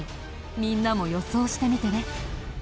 みんなも予想してみてね。